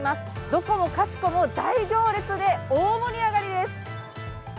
どこもかしこも大行列で大盛り上がりです。